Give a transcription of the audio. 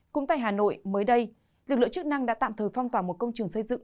cũng tại hà nội mới đây lực lượng chức năng đã tạm thời phong tỏa một công trường xây dựng